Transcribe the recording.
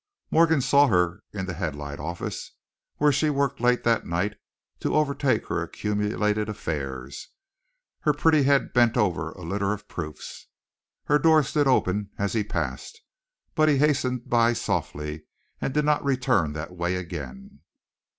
Morgan saw her in the Headlight office, where she worked late that night to overtake her accumulated affairs, her pretty head bent over a litter of proofs. Her door stood open as he passed, but he hastened by softly, and did not return that way again.